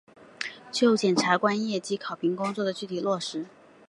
就检察官业绩考评工作的具体落实